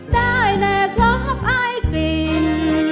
ได้ในความอ้ายกลิ่น